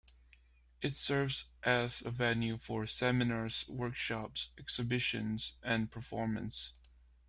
It serves as a venue for seminars, workshops, exhibitions and performances.